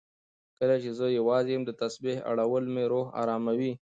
کله چې زه یوازې یم، د تسبېح اړول مې روح اراموي.